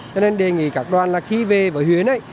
cho nên đề nghị các đoàn là khi về với huyền ấy